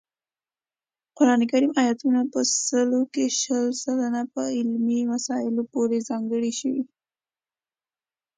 قران کریم آیاتونه په سلو کې شل سلنه په علمي مسایلو پورې ځانګړي شوي